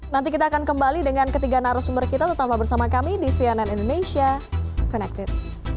nanti kita akan kembali dengan ketiga narasumber kita tetap bersama kami di cnn indonesia connected